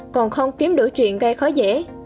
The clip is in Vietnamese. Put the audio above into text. còn không kiếm đủ chuyện gây khó dễ